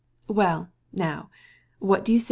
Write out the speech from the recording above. "Well, what do you say?